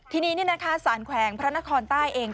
ทีนี้สารแขวงพระนครใต้เอง